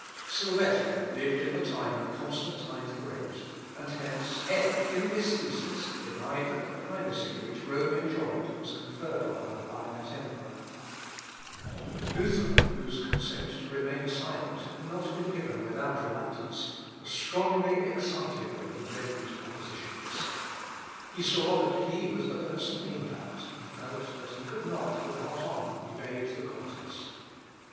Sylvester lived in the time of Constantine the Great; and hence Eck, in this thesis, denied that the primacy which Rome enjoyed was conferred on her by that emperor. Defensio adversus Echii monomachiam. L. Op. (L.) xvii, p. 242. Luther, whose consent to remain silent had not been given without reluctance, was strongly excited when he read these propositions. He saw that he was the person aimed at, and felt that he could not, with honour, evade the contest.